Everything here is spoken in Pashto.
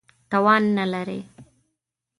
توان نه لري.